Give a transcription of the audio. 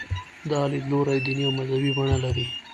دا لیدلوری دیني او مذهبي بڼه لري.